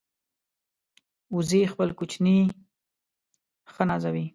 وزې خپل کوچني ښه نازوي